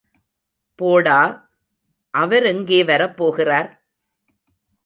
போடா, அவர் எங்கே வரப்போகிறார்?